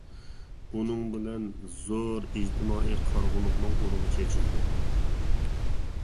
بۇنىڭ بىلەن زور ئىجتىمائىي قارىغۇلۇقنىڭ ئۇرۇقى چېچىلدى.